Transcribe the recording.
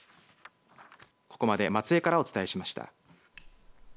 ここまで松江からお伝えしました。